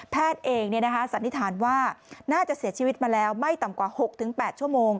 แพทย์เองสันนิษฐานว่าน่าจะเสียชีวิตมาแล้วไม่ต่ำกว่า๖๘ชั่วโมง